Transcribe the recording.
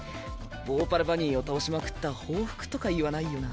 ヴォーパルバニーを倒しまくった報復とか言わないよな。